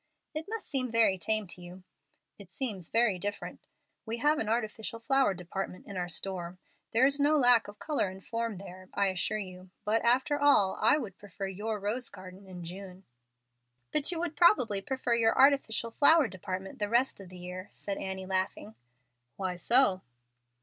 "It must seem very tame to you." "It seems very different. We have an artificial flower department in our store. There is no lack of color and form there, I assure you, but after all I would prefer your rose garden in June." "But you would probably prefer your artificial flower department the rest of the year," said Annie, laughing. "Why so?"